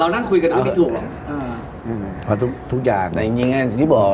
เรานั่งคุยกันอาวุธไม่ถูกอืมอืมอาวุธทุกอย่างแต่จริงอย่างงั้นที่บอก